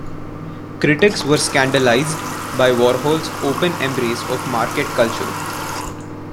Critics were scandalized by Warhol's open embrace of market culture.